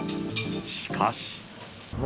しかし。